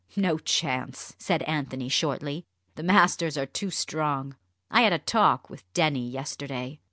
"No chance!" said Anthony shortly, "the masters are too strong. I had a talk with Denny yesterday."